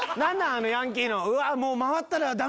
あのヤンキーの。